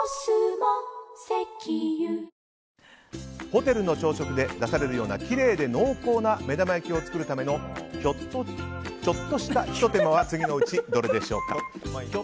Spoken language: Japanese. ホテルの朝食で出されるようなきれいで濃厚な目玉焼きを作るためのちょっとしたひと手間は次のうちどれでしょうか。